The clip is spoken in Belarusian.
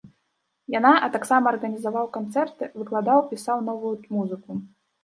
Яна, а таксама арганізоўваў канцэрты, выкладаў, пісаў новую музыку.